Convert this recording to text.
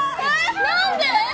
何で！？